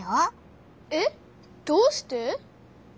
えっどうして？